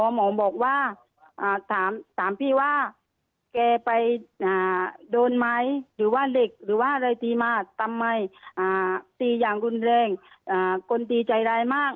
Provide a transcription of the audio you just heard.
หมอบอกว่าถามพี่ว่าแกไปโดนไหมหรือว่าเด็กหรือว่าอะไรตีมาทำไมตีอย่างรุนแรงคนตีใจร้ายมาก